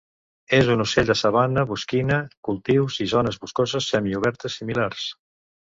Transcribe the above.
És un ocell de sabana, bosquina, cultius i zones boscoses semi-obertes similars.